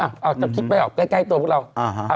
เอาจะคิดไม่ออกใกล้ตัวพวกเรา